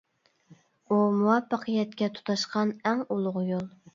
ئۇ مۇۋەپپەقىيەتكە تۇتاشقان ئەڭ ئۇلۇغ يول.